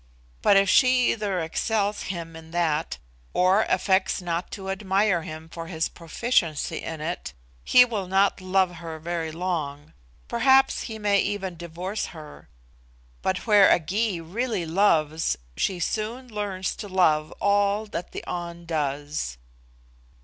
But if she either excels him in that, or affects not to admire him for his proficiency in it, he will not love her very long; perhaps he may even divorce her. But where a Gy really loves, she soon learns to love all that the An does."